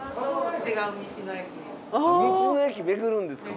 道の駅巡るんですか？